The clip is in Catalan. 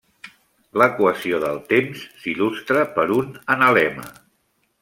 L'equació del temps s'il·lustra per un analema.